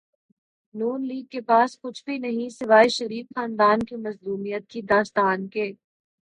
ن لیگ کے پاس کچھ بھی نہیں سوائے شریف خاندان کی مظلومیت کی داستان کے۔